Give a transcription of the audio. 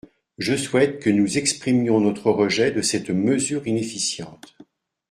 Je souhaite que nous exprimions notre rejet de cette mesure inefficiente.